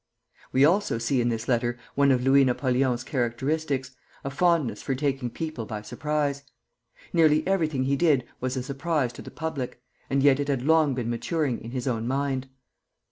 We also see in this letter one of Louis Napoleon's characteristics, a fondness for taking people by surprise. Nearly everything he did was a surprise to the public, and yet it had long been maturing in his own mind.